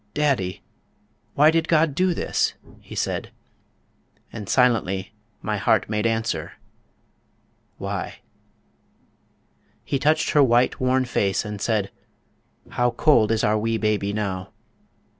daddy, why did God do this?" he said, And silently my heart made answer, "Why?" He touched her white, worn face, and said, "How cold Is our wee baby now." ...